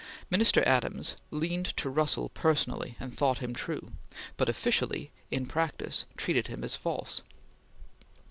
Minister Adams leaned to Russell personally and thought him true, but officially, in practice, treated him as false.